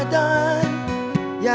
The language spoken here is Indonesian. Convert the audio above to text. kami akan mencoba